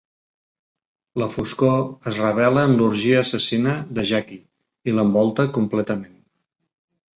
La Foscor es revela en l'orgia assassina de Jackie i l'envolta completament.